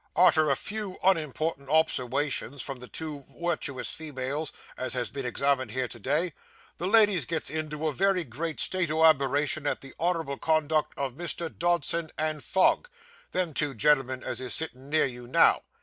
'Arter a few unimportant obserwations from the two wirtuous females as has been examined here to day, the ladies gets into a very great state o' admiration at the honourable conduct of Mr. Dodson and Fogg them two gen'l'men as is settin' near you now.